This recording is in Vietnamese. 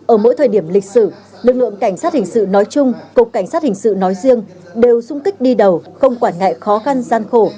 ở mỗi thời điểm lịch sử lực lượng cảnh sát hình sự nói chung cục cảnh sát hình sự nói riêng đều sung kích đi đầu không quản ngại khó khăn gian khổ